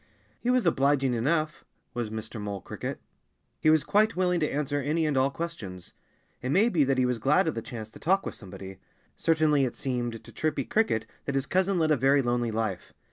He was obliging enough was Mr. Mole Cricket. He was quite willing to answer any and all questions. It may be that he was glad of the chance to talk with somebody. Certainly it seemed to Chirpy Cricket that his cousin led a very lonely life.